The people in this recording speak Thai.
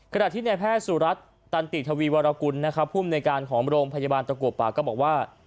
ขณะที่ในแพทย์สุรัตน์ตันติทวีวรกุลนะครับภูมิในการของโรงพยาบาลตะกัวป่าก็บอกว่า